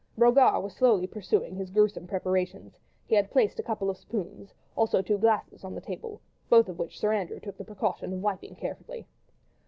Brogard was slowly pursuing his gruesome preparations; he had placed a couple of spoons, also two glasses on the table, both of which Sir Andrew took the precaution of wiping carefully.